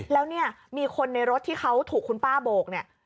แล้วเนี่ยมีคนในรถที่เขาถูกคุณป้าโบกเนี่ย